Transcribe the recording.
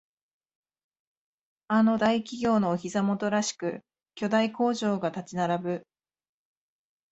あの大企業のお膝元らしく巨大工場が立ち並ぶ